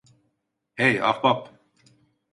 Hey, ahbap!